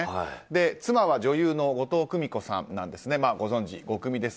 妻は女優の後藤久美子さんなんです。